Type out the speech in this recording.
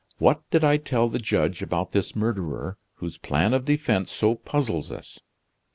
What did I tell the judge about this murderer, whose plan of defense so puzzles us?